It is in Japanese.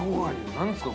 何ですか？